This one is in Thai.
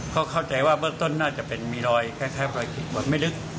เขาเข้าใจว่าเบอร์กต้นน่าจะเป็นมีรอยแค่รอยคิดว่าไม่ลึก